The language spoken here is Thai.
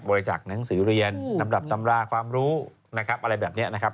บริจักษ์หนังสือเรียนนำราปร์ความรู้นะครับอะไรแบบนี้นะครับ